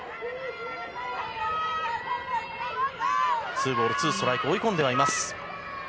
ツーボールツーストライク追い込んではいます。